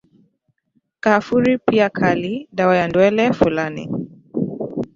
Kaafuri pia kali, dawa ya ndwele Fulani,